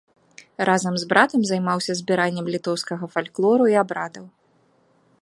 Разам з братам займаўся збіраннем літоўскага фальклору і абрадаў.